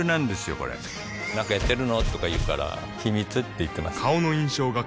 これなんかやってるの？とか言うから秘密って言ってます